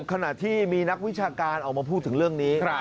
ขณะที่มีนักวิชาการออกมาพูดถึงเรื่องนี้